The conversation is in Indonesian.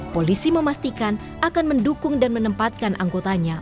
polisi memastikan akan mendukung dan menempatkan anggotanya